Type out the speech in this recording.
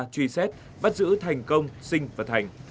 truy xét bắt giữ thành công sinh và thành